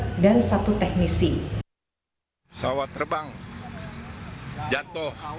pesawat ini sendiri berisi tiga orang yang terdiri dari satu pilot dan dua pesawat